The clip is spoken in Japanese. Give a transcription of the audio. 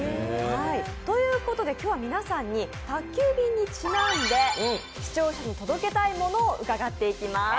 ということで今日は皆さんに宅急便にちなんで視聴者に届けたいものを伺っていきます。